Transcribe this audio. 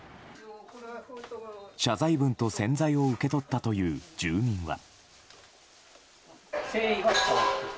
謝罪文と洗剤を受け取ったという住民は。